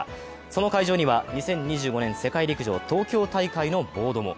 その会場には２０２５年世界陸上・東京大会のボードも。